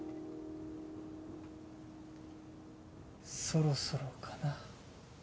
そろそろかな。